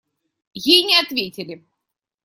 Ей не ответили.